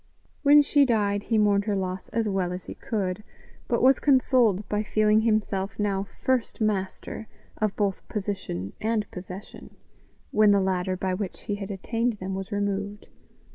When she died he mourned her loss as well as he could, but was consoled by feeling himself now first master of both position and possession, when the ladder by which he had attained them was removed.